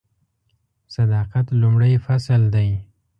صداقت لومړی فصل دی .